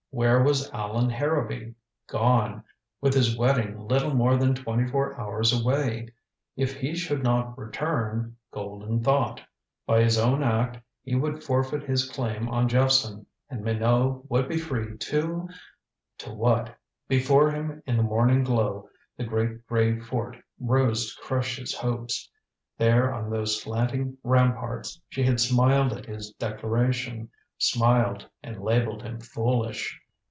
Where was Allan Harrowby? Gone, with his wedding little more than twenty four hours away. If he should not return golden thought. By his own act he would forfeit his claim on Jephson, and Minot would be free to To what? Before him in the morning glow the great gray fort rose to crush his hopes. There on those slanting ramparts she had smiled at his declaration. Smiled, and labeled him foolish.